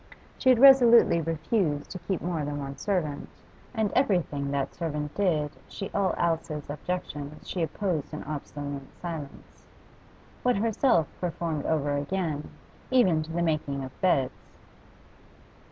She had resolutely refused to keep more than one servant, and everything that servant did she all Alice's objections she opposed an obstinate silence. What herself performed over again, even to the making of beds.